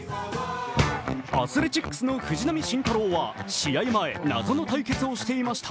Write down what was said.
アスレチックスの藤浪晋太郎は試合前、謎の対決としていました。